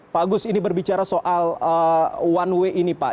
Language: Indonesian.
pak agus ini berbicara soal one way ini pak